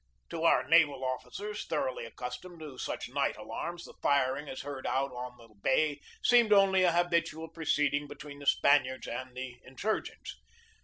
To our naval officers, thoroughly accustomed to such night alarms, this firing as heard out on the THE TAKING OF MANILA 271 bay seemed only a habitual proceeding between the Spaniards and the insurgents.